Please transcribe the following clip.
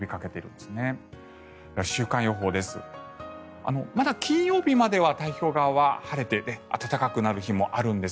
では週間予報です。